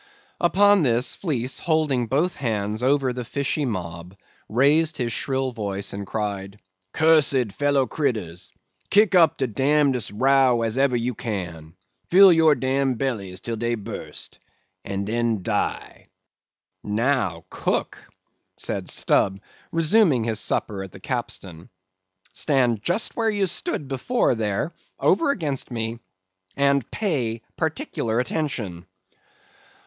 Upon this, Fleece, holding both hands over the fishy mob, raised his shrill voice, and cried— "Cussed fellow critters! Kick up de damndest row as ever you can; fill your dam' bellies 'till dey bust—and den die." "Now, cook," said Stubb, resuming his supper at the capstan; "stand just where you stood before, there, over against me, and pay particular attention."